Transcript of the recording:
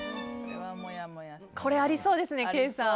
これありそうですね、ケイさん。